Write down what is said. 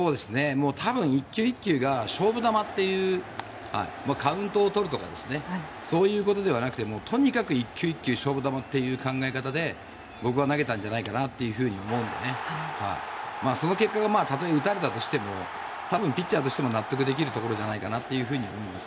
多分、１球１球が勝負球というカウントを取るとかそういうことではなくてとにかく１球１球勝負球という考え方で投げたんじゃないかと僕は思うのでその結果がたとえ打たれたとしても多分、ピッチャーとしても納得できるところじゃないかと思います。